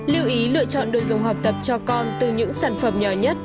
liêu ý lựa chọn đồ dùng hợp tập cho con từ những sản phẩm nhỏ nhất